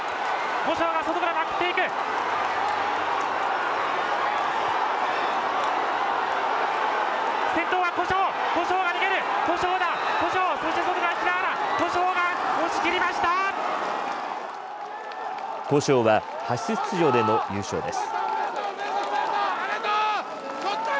古性は初出場での優勝です。